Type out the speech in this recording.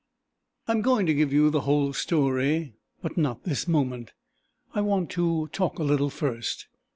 I am going to give you the whole story, but not this moment; I want to talk a little first.